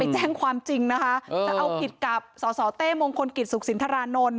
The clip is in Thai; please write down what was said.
แจ้งความจริงนะคะจะเอาผิดกับสสเต้มงคลกิจสุขสินทรานนท์